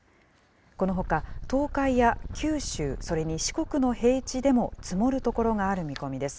このほか東海や九州、それに四国の平地でも積もる所がある見込みです。